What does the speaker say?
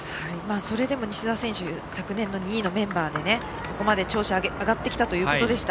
それでも西澤選手は昨年の２位のメンバーでここまで調子が上がってきたということでした。